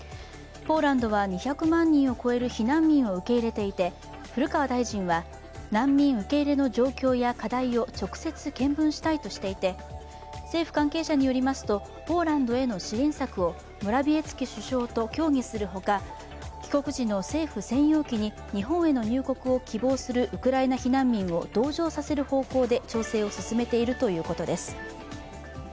ポーランドは２００万人を超える避難民を受け入れていて古川大臣は、難民受け入れの状況や課題を直接見聞したいとしていて、政府関係者によりますとポーランドへの支援策をモラヴィエツキ首相と協議するほか帰国時の政府専用機に日本への入国を希望するウクライナ避難民を同乗させる方向で調整を進めているということです。